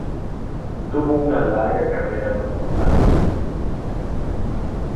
Tuvo una larga carrera como notario público.